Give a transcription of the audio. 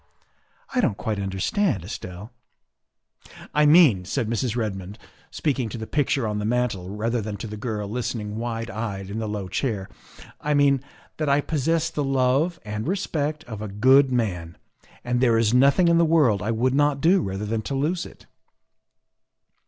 " I don't quite understand, Estelle." " I mean," said Mrs. Redmond, speaking to the picture on the mantel rather than to the girl listening wide eyed in the low chair, " I mean that I possess the love and respect of a good man, and there is nothing in the world I would not do rather than to lose it."